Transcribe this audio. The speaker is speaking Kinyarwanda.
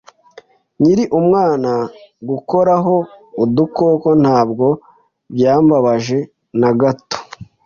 Nkiri umwana, gukoraho udukoko ntabwo byambabaje na gato.